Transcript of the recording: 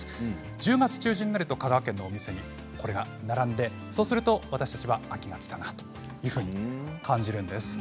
１０月中旬になると香川県の店にこれが並んでそうすると私たちは秋がきたなというふうに感じるんです。